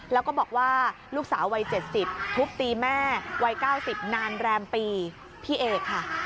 แล้วก็บอกว่าลูกสาววัย๗๐ทุบตีแม่วัย๙๐นานแรมปีพี่เอกค่ะ